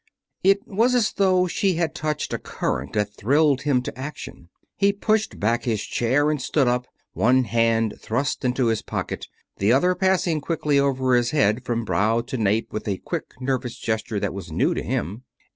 It was as though she had touched a current that thrilled him to action. He pushed back his chair and stood up, one hand thrust into his pocket, the other passing quickly over his head from brow to nape with a quick, nervous gesture that was new to him.